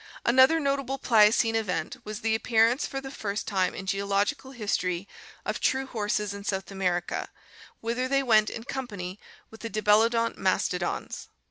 Another notable Pliocene event was the appearance for the first time in geological history of true horses in South America, whither they went in company with the dibelodont mastodons.